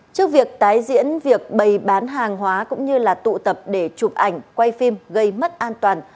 trước việc tái diễn việc bày bán hàng hóa cũng như là tụ tập để chụp ảnh quay phim gây mất an toàn